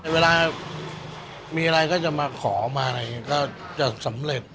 เวลามีอะไรก็จะมาขอมาก็จะสำเร็จ